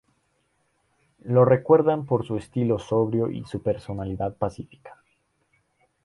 Lo recuerdan por su estilo sobrio y su personalidad pacífica.